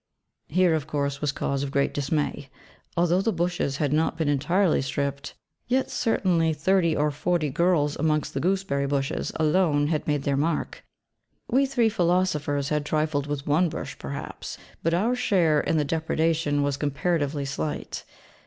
Here of course was cause of great dismay: although the bushes had not been entirely stripped, yet certainly thirty or forty girls amongst the gooseberry bushes alone had made their mark. We three philosophers had trifled with one bush perhaps; but our share in the depredation was comparatively slight.